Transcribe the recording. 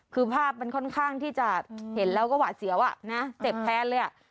คือภาพมันค่อนข้างที่จะเห็นแล้วก็หวาดเสียวอ่ะนะเจ็บแทนเลยอ่ะ